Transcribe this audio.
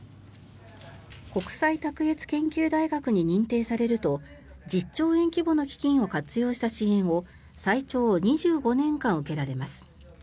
国際卓越研究大学に認定されると１０兆円規模の基金を活用した支援を最長２５年間受けられます。